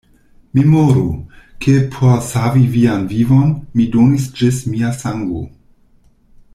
Memoru, ke por savi vian vivon, mi donis ĝis mia sango.